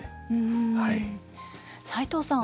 齋藤さん